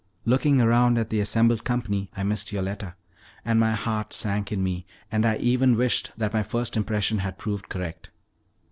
Looking round at the assembled company I missed Yoletta, and my heart sank in me, and I even wished that my first impression had proved correct.